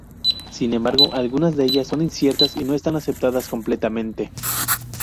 Sin embargo, algunas de ellas son inciertas y no están aceptadas completamente.